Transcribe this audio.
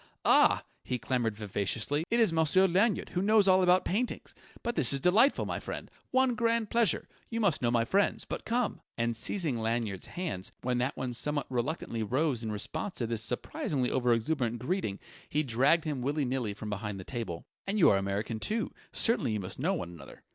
Ah!" he clamoured vivaciously. "It is Monsieur Lanyard, who knows all about paintings! But this is delightful, my friend one grand pleasure! You must know my friends.... But come!" And seizing Lanyard's hands, when that one somewhat reluctantly rose in response to this surprisingly over exuberant greeting, he dragged him willy nilly from behind his table. "And you are American, too. Certainly you must know one another.